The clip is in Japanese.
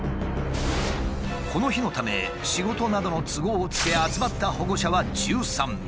この日のため仕事などの都合をつけ集まった保護者は１３名。